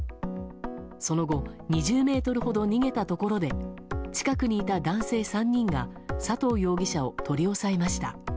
その後２０ｍほど逃げたところで近くにいた男性３人が佐藤容疑者を取り押さえました。